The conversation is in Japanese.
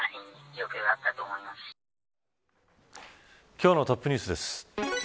今日のトップニュースです。